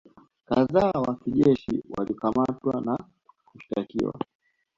kadhaa wa kijeshi walikamatwa na kushtakiwa